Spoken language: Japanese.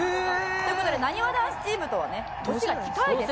という事でなにわ男子チームとは年が近いですから。